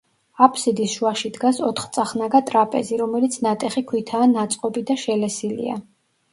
აფსიდის შუაში დგას ოთხწახნაგა ტრაპეზი, რომელიც ნატეხი ქვითაა ნაწყობი და შელესილია.